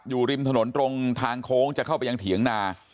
อยู่ริมถนนตรงทางโค้งจะเข้าไปยังเถียงนา